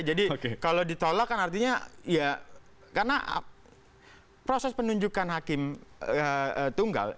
jadi kalau ditolak kan artinya ya karena proses penunjukan hakim tunggal